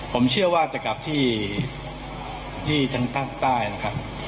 ผมเชื่อว่าจะกลับที่ทางภาคใต้นะครับ